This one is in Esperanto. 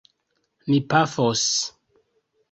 Ni pafos.